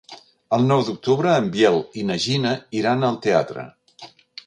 El nou d'octubre en Biel i na Gina iran al teatre.